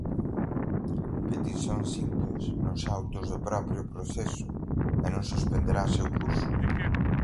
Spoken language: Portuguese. petição simples, nos autos do próprio processo, e não suspenderá seu curso.